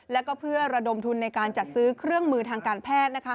แล้วก็เพื่อระดมทุนในการจัดซื้อเครื่องมือทางการแพทย์